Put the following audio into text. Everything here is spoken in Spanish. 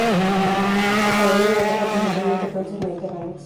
El jardín alberga principalmente plantas mediterráneas.